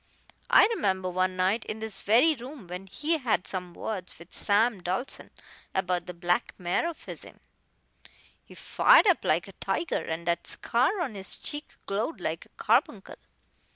I remember one night in this very room when he had some words with Sam Dolsen about that black mare o' his'n. He fired up like a tiger, and that scar on his cheek glowed like a carbuncle.